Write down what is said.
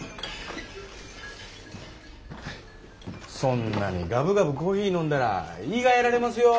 そんなにガブガブコーヒー飲んだら胃がやられますよ。